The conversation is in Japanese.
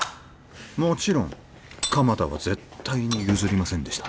もちろん鎌田は絶対に譲りませんでした